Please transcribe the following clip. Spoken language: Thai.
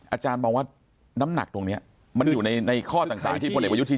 อาจารย์มองว่าน้ำหนักตรงเนี่ยมันอยู่ในข้อต่างที่คนเดียวกว่ายุทธิแจ้งไป